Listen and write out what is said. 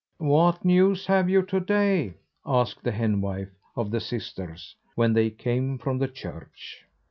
"What news have you to day?" asked the henwife of the sisters when they came from the church.